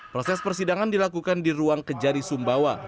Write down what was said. proses persidangan dilakukan di ruang kejari sumbawa ruang lapa sumbawa